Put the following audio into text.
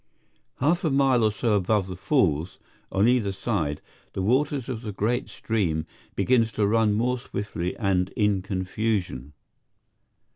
Half a mile or so above the Falls, on either side, the water of the great stream begins to run more swiftly and in confusion.